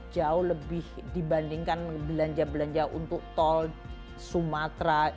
jauh lebih dibandingkan belanja belanja untuk tol sumatera